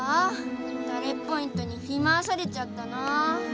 ダレッポイントにふり回されちゃったな。